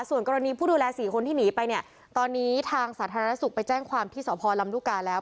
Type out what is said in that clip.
ส่วนกรณีผู้ดูแลสี่คนที่หนีไปเนี่ยตอนนี้ทางสาธารณสุขไปแจ้งความที่สพลำลูกกาแล้ว